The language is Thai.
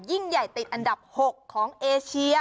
ยิ่งใหญ่ติดอันดับ๖ของเอเชีย